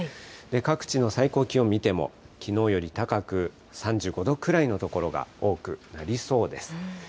各地の最高気温見ても、きのうより高く、３５度くらいの所が多くなりそうです。